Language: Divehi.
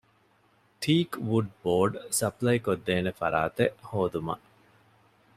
ޓީކް ވުޑް ބޯޑް ސަޕްލައިކޮށްދޭނެ ފަރާތެއް ހޯދުމަށް